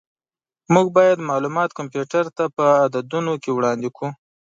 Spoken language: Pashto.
موږ باید معلومات کمپیوټر ته په عددونو کې وړاندې کړو.